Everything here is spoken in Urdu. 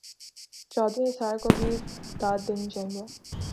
چوہدری نثار کو بھی داد دینی چاہیے۔